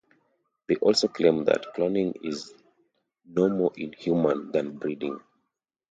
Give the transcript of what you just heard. They also claim that cloning is no more inhumane than breeding.